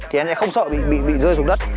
thì em sẽ không sợ bị rơi xuống đất